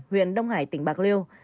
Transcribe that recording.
huyện đông hải tỉnh bạc liêu